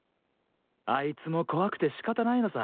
あいつも怖くてしかたないのさ。